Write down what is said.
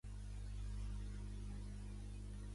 El rei va escapar només amagant-se entre els joncs.